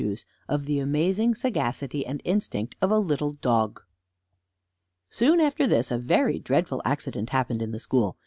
III OF THE AMAZING SAGACITY AND INSTINCT OF A LITTLE DOG Soon after this, a very dreadful accident happened in the school.